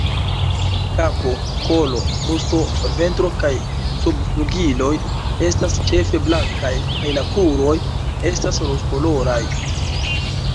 Kapo, kolo, brusto, ventro kaj subflugiloj estas ĉefe blankaj kaj la kruroj estas rozkoloraj.